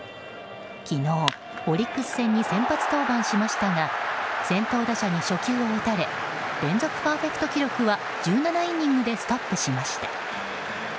昨日、オリックス戦に先発登板しましたが先頭打者に初球を打たれ連続パーフェクト記録は１７イニングでストップしました。